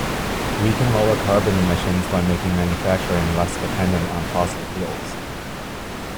We can lower carbon emissions by making manufacturing less dependent on fossil fuels.